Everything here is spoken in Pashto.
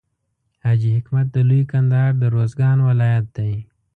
حاجي حکمت د لوی کندهار د روزګان ولایت دی.